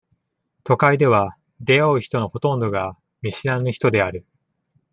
都会では、出会う人のほとんどが、見知らぬ人である。